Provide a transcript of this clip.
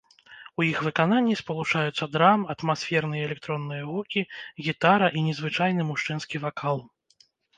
У іх выкананні спалучаюцца драм, атмасферныя электронныя гукі, гітара і незвычайны мужчынскі вакал.